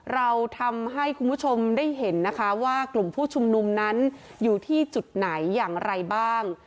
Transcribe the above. เราทำให้คุณผู้ชมได้เห็นนะคะว่ากลุ่มผู้ชุมนุมนั้นอยู่ที่จุดไหนอย่างไรบ้าง